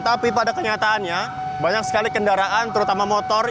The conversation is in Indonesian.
tapi pada kenyataannya banyak sekali kendaraan terutama motor